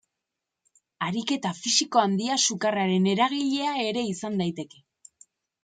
Ariketa fisiko handia sukarraren eragilea ere izan daiteke.